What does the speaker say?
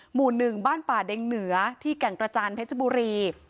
หมู่๑บ้านป่าเด็งเหนือที่แก่งกระจานเพชรบุรี